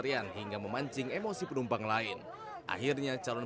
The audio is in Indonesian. kain kainnya segera segera apaan apaan